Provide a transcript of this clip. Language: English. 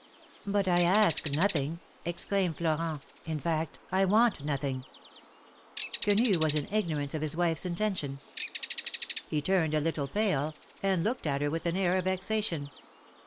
" But I ask nothing," exclaimed Florent; "in fact, I want nothing." 80 THE MAEKETS OF PARIS. Qaenu was in ignorance of his wife's intention. He turned a little pale, and looked at her with an air of vexa tion.